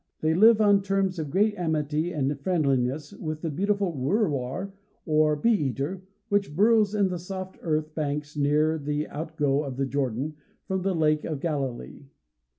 They live on terms of great amity and friendliness with the beautiful "wŭr war" or bee eater, which burrows in the soft earth banks near the out go of the Jordan, from the Lake of Galilee.